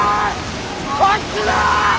こっちだぁ！